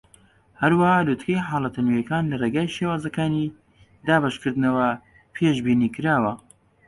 هەروەها، لووتکەی حاڵەتە نوێیەکان لە ڕێگەی شێوازەکانی دابەشکردنەوە پێشبینیکراوە.